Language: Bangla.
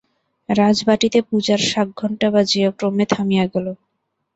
রাজবাটিতে পূজার শাঁক ঘণ্টা বাজিয়া ক্রমে থামিয়া গেল।